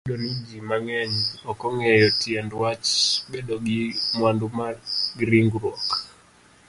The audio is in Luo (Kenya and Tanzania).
Kataobedo niji mang'eny okong'eyo tiendwach bedogi mwandu magringruok